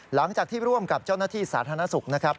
หลังจากที่ร่วมกับเจ้าหน้าที่สาธารณสุขนะครับ